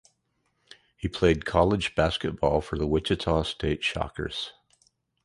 He played college basketball for the Wichita State Shockers.